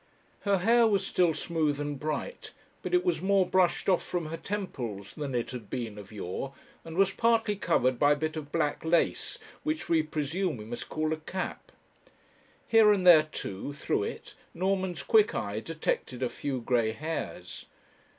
Her hair was still smooth and bright, but it was more brushed off from her temples than it had been of yore, and was partly covered by a bit of black lace, which we presume we must call a cap; here and there, too, through it, Norman's quick eye detected a few grey hairs.